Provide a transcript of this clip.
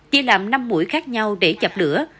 chia làm năm mũi khác nhau để chạp lửa